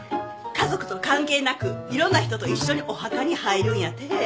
家族と関係なくいろんな人と一緒にお墓に入るんやて。